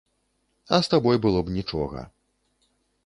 А з табой было б нічога.